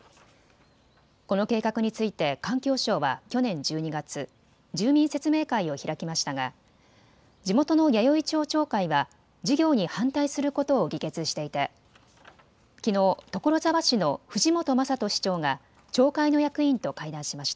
この計画について環境省は去年１２月、住民説明会を開きましたが地元の弥生町町会は事業に反対することを議決していてきのう所沢市の藤本正人市長が町会の役員と会談しました。